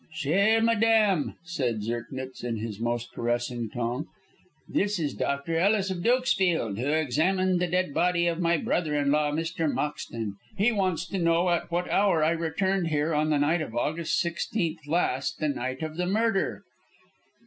"Chère madame," said Zirknitz, in his most caressing tone, "this is Dr. Ellis, of Dukesfield, who examined the dead body of my brother in law, Mr. Moxton. He wants to know at what hour I returned here on the night of August 16th last, the night of the murder."